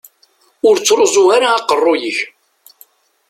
Ur ttruẓu ara aqerruy-ik.